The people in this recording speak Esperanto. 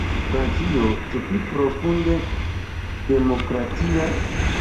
Francio, ĉu profunde demokratia?